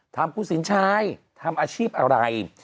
ถามคุณสินชัยทำอาชีพอะไร